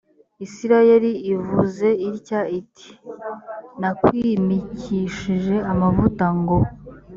isirayeli ivuze itya iti nakwimikishije amavuta ngo